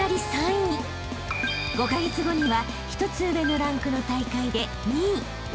［５カ月後には１つ上のランクの大会で２位］